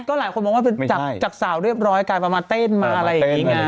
ก็หลายคนมองว่าเป็นจากสาวเรียบร้อยกลายมาเต้นมาอะไรอย่างนี้ไง